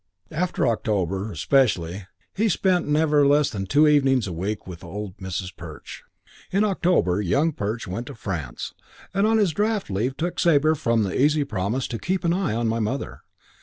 V After October, especially, he spent never less than two evenings a week with old Mrs. Perch. In October Young Perch went to France and on his draft leave took from Sabre the easy promise to "keep an eye on my mother."